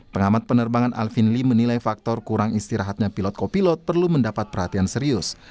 pengamat penerbangan alvin lee menilai faktor kurang istirahatnya pilot kopilot perlu mendapat perhatian serius